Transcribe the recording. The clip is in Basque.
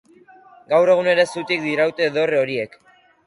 Gaur egun ere zutik diraute dorre horiek.